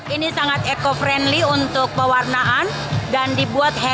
ini sangat eco friendly untuk pewarnaan dan dibuat